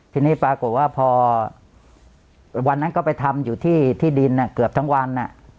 ทีนี้ปรากฏว่าพอวันนั้นก็ไปทำอยู่ที่ที่ดินเกือบทั้งวัน